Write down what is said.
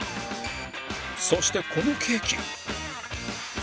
そしてこのケーキ